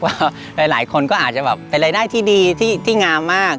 เพราะว่าหลายคนก็อาจจะเป็นรายได้ที่ดีที่งามมาก